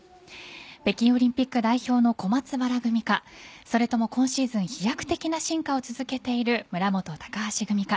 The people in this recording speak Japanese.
北京オリンピック代表の小松原組かそれとも今シーズン飛躍的な進化を続けている村元・高橋組か。